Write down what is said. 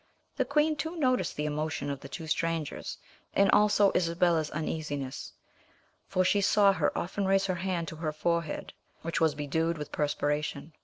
The queen too noticed the emotion of the two strangers, and also Isabella's uneasiness, for she saw her often raise her hand to her forehead, which was bedewed with perspiration.